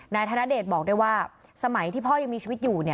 ธนเดชบอกได้ว่าสมัยที่พ่อยังมีชีวิตอยู่